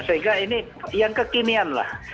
sehingga ini yang kekinian lah